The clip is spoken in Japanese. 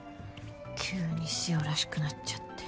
急にしおらしくなっちゃって。